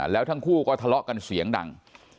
แล้วทั้งคู่ก็ทะเลาะกันเสียงดัง